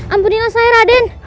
ampunilah saya raden